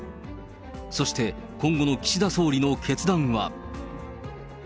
そして、今後の岸田総理の決断は。